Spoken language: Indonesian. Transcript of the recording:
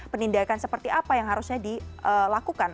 penindakan seperti apa yang harusnya dilakukan